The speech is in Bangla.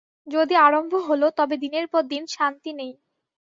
যদি আরম্ভ হল তবে দিনের পর দিন শান্তি নেই।